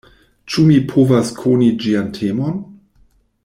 Ĉu mi povas koni ĝian temon?